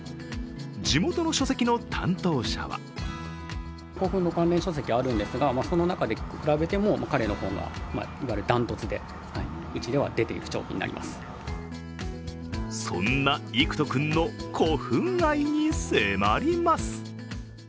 地元の書籍の担当者はそんな郁仁君の古墳愛に迫ります。